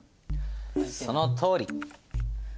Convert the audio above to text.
そのとおり。